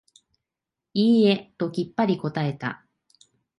いいえ、ときっぱり答えた。